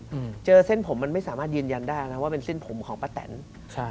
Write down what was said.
อืมเจอเส้นผมมันไม่สามารถยืนยันได้นะว่าเป็นเส้นผมของป้าแตนใช่